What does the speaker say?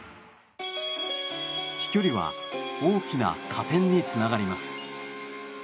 飛距離は大きな加点につながります。